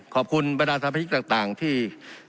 ขอบคุณบรรดาสภาษีต่างที่